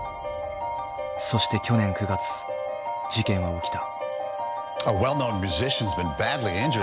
そして去年９月事件は起きた。